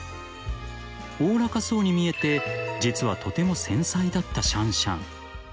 ［おおらかそうに見えて実はとても繊細だったシャンシャン］